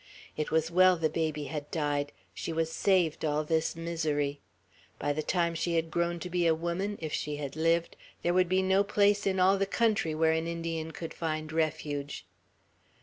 It was well the baby had died; she was saved all this misery. By the time she had grown to be a woman, if she had lived, there would be no place in all the country where an Indian could find refuge.